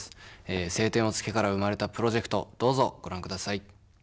「青天を衝け」から生まれたプロジェクトどうぞご覧ください。